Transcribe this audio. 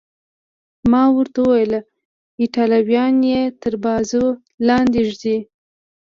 ما ورته وویل: ایټالویان یې تر بازو لاندې ږدي.